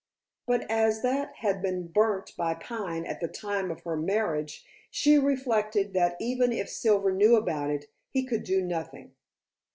But as that had been burnt by Pine at the time of her marriage, she reflected that even if Silver knew about it, he could do nothing.